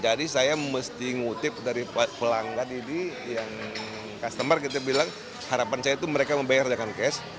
jadi saya mesti ngutip dari pelanggan ini yang customer kita bilang harapan saya itu mereka membayar dengan cash